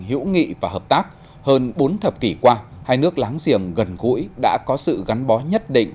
hữu nghị và hợp tác hơn bốn thập kỷ qua hai nước láng giềng gần gũi đã có sự gắn bó nhất định